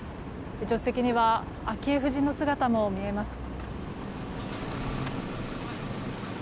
助手席には昭恵夫人の姿も見えます。